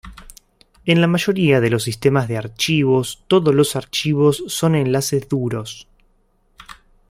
En la mayoría de los sistemas de archivos, todos los archivos son enlaces duros.